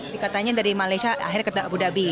dikatakan dari malaysia akhirnya ke abu dhabi